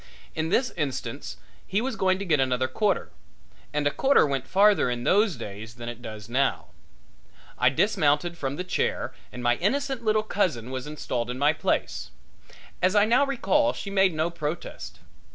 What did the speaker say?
In this instance he was going to get another quarter, and a quarter went farther in those days than it does now. I dismounted from the chair and my innocent little cousin was installed in my place. As I now recall she made no protest.